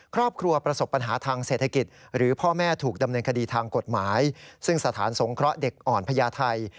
ครอบครัวประสบปัญหาทางเศรษฐกิจหรือพ่อแม่ถูกดำเนินคดีทางกฎหมายซึ่งสถานสงเคราะห์เด็กอ่อนพญาไทย